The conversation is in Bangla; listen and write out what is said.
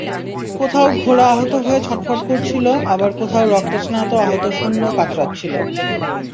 কোথাও ঘোড়া আহত হয়ে ছটফট করছিল আবার কোথাও রক্তস্নাত আহত সৈন্য কাতরাচ্ছিল।